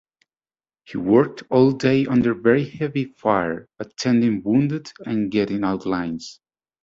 He worked all day under very heavy fire, attending wounded and getting out lines.